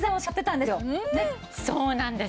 そうなんです。